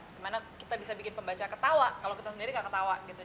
gimana kita bisa bikin pembaca ketawa kalau kita sendiri gak ketawa gitu